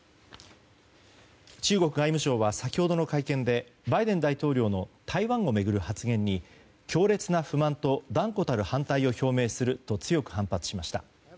中国外務省は先ほどの会見でバイデン大統領の台湾を巡る発言に強烈な不満と断固たる反対を表明すると強く反発しました。